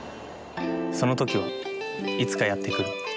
その時は、いつかやってくる。